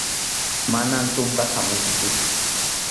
Manam tumpaq hamuykikuchu.